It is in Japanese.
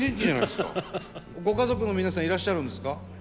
ご家族の皆さんいらっしゃるんですか？